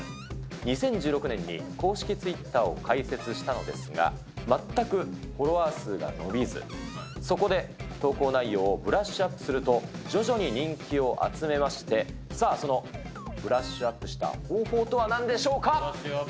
２０１６年に公式ツイッターを開設したのですが、全くフォロワー数が伸びず、そこで投稿内容をブラッシュアップすると、徐々に人気を集めまして、さあ、そのブラッシュアップした方法とはなんでしょうか。